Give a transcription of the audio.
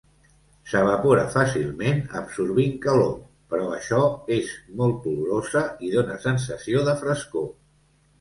S'evapora fàcilment absorbint calor, per això és molt olorosa i dóna sensació de frescor.